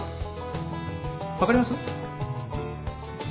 分かります？